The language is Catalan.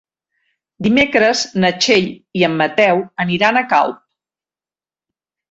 Dimecres na Txell i en Mateu aniran a Calp.